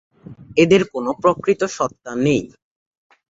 এদের কোন প্রকৃত সত্তা নেই।